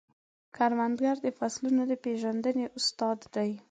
کروندګر د فصلونو د پیژندنې استاد دی